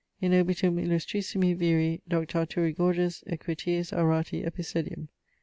_In obitum illustrissimi viri Dⁱ. Arthuri Gorges, equitis aurati, epicedium.